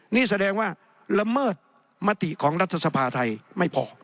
นี่แสดงว่าละเมิดมติของรัฐสภาไทยไม่พอ